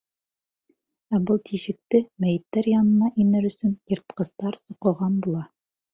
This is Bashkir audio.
Ә был тишекте мәйеттәр янына инер өсөн йыртҡыстар соҡоған була.